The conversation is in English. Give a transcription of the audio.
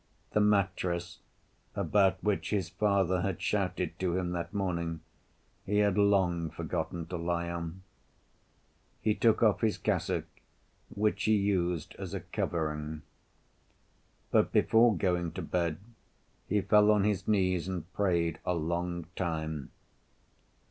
The mattress, about which his father had shouted to him that morning, he had long forgotten to lie on. He took off his cassock, which he used as a covering. But before going to bed, he fell on his knees and prayed a long time.